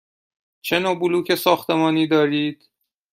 چه نوع بلوک ساختمانی دارید؟